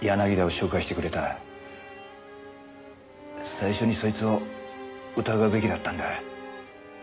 最初にそいつを疑うべきだったんだ。